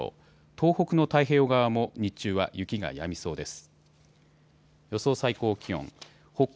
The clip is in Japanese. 東北の太平洋側も日中は雪がやみそうです。